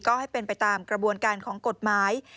ก็ให้เป็นไปตามกระบวนการของกฎหมาย